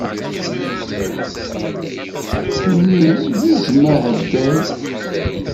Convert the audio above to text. Mmi d izem aheddal.